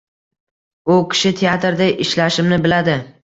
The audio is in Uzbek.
U kishi teatrda ishlashimni biladi.